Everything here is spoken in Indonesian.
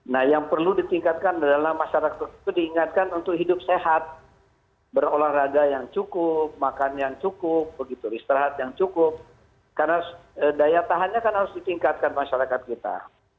nah yang perlu ditingkatkan adalah masyarakat itu diingatkan untuk hidup sehat berolahraga yang cukup makan yang cukup istirahat yang cukup karena daya tahannya kan harus ditingkatkan masyarakat kita